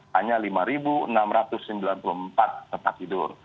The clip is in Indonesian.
hanya lima enam ratus sembilan puluh empat tempat tidur